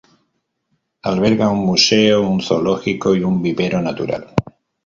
Alberga un museo, un zoológico y un vivero natural.